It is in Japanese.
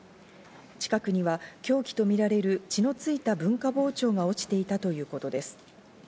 近くには凶器とみられる血のついた文化包丁が落ちていたということです。